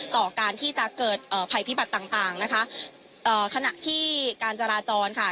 ต่อการที่จะเกิดเอ่อภัยพิบัติต่างต่างนะคะเอ่อขณะที่การจราจรค่ะ